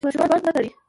ماشومان مه ترټئ.